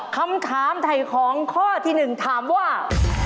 คำถามไถ่ของข้อที่๑ถามว่า